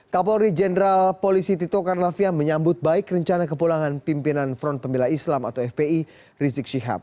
kapolri jenderal polisi tito karnavian menyambut baik rencana kepulangan pimpinan front pembela islam atau fpi rizik syihab